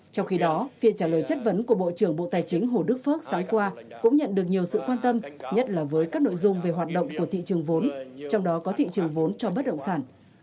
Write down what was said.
trong khi đó phiên trả lời chất vấn của bộ trưởng bộ tài chính hồ đức phước sáng qua cũng nhận được nhiều sự quan tâm nhất là với các nội dung về hoạt động của thị trường vốn trong đó có thị trường vốn cho bất động sản